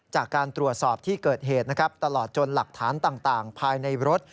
จากการตรวจสอบที่เกิดเหตุนะครับตลอดจนหลักฐานต่างภายในรถ